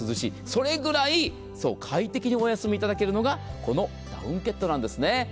それくらい快適にお休みいただけるのがこのダウンケットなんです。